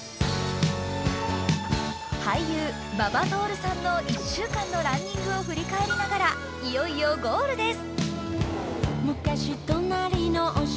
俳優、馬場徹さんの１週間のランニングを振り返りながらいよいよゴールです。